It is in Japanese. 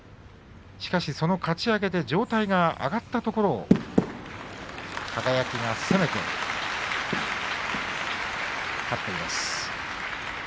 しかし、そのかち上げで上体が上がったところを輝が攻めて勝っています。